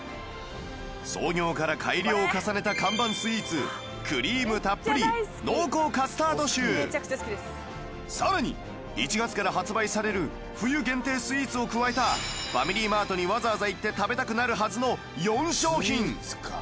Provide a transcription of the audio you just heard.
創業から改良を重ねた看板スイーツ更に１月から発売される冬限定スイーツを加えたファミリーマートにわざわざ行って食べたくなるはずの４商品